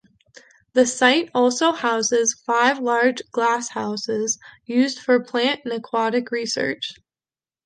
The site also houses five large glasshouses, used for plant and aquatic research.